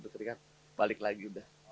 ketika balik lagi udah